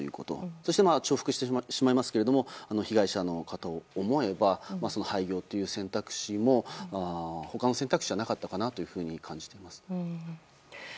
そして重複してしまいますが被害者の方を思えば廃業という選択肢も他の選択肢はなかったかなと感じています。